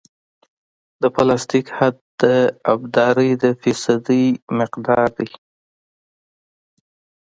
د پلاستیک حد د ابدارۍ د فیصدي مقدار دی